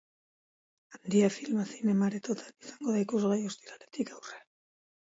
Handia filma zinema aretoetan izango da ikusgai ostiraletik aurrera.